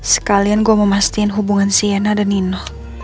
sekalian gue mau mastiin hubungan sienna dan nino